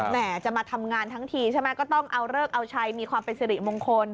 แม่จะมาทำงานทั้งทีใช่ไหมก็ต้องเอาเลิกเอาชัยมีความเป็นสิริมงคล